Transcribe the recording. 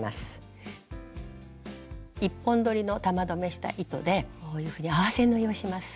１本どりの玉留めした糸でこういうふうに合わせ縫いをします。